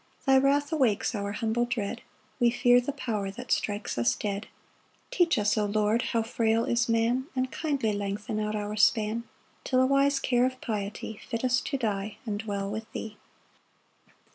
Thy wrath awakes our humble dread; We fear the power that strikes us dead.] 8 Teach us, O Lord, how frail is man; And kindly lengthen out our span, Till a wise care of piety Fit us to die, and dwell with thee.